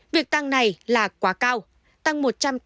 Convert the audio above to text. việc tăng này là quá cao tăng một trăm tám mươi